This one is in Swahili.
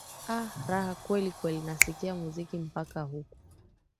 aa raha kwelikweli nasikia muziki mpaka huku